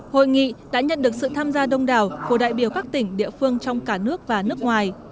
hội nghị đã nhận được sự tham gia đông đảo của đại biểu các tỉnh địa phương trong cả nước và nước ngoài